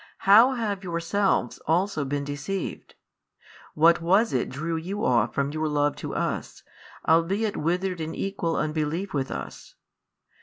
how have yourselves also been deceived? what was it drew you off from your love to us, albeit withered in equal unbelief with us?